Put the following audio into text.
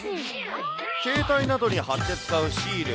携帯などに貼って使うシール。